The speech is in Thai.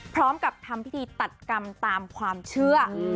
พร้อมกับทำพิธีตัดกรรมตามความเชื่อ